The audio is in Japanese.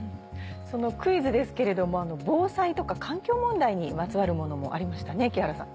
そのクイズですけれども防災とか環境問題にまつわるものもありましたね木原さん。